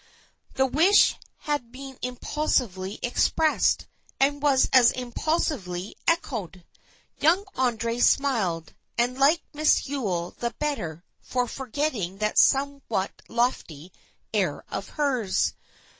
The wish had been impulsively expressed, and was as impulsively echoed. Young André smiled, and liked Miss Yule the better for forgetting that somewhat lofty air of hers.